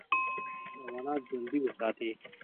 حیوانات ژوندي وساتې.